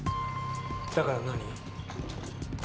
だから何？